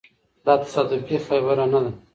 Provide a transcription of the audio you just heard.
دا تصادفي خبره نه ده.